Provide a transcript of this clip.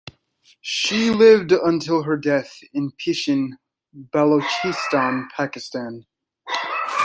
She lived until her death in Pishin, Balochistan, Pakistan.